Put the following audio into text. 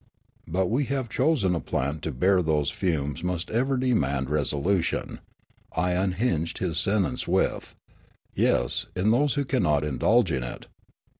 " But we have chosen a plant to bear whose fumes must ever demand resolution —" I unhinged his sentence with, " Yes, in those who can not indulge in it.